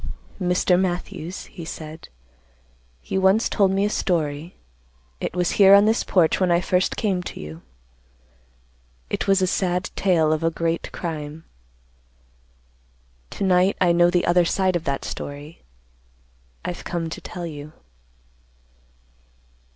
"Mr. Matthews," he said, "you once told me a story. It was here on this porch when I first came to you. It was a sad tale of a great crime. To night I know the other side of that story. I've come to tell you."